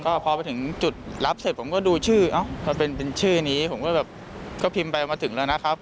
ก็พอไปถึงจุดรับเสร็จผมก็ดูชื่อเอ้าพอเป็นชื่อนี้ผมก็แบบก็พิมพ์ไปมาถึงแล้วนะครับ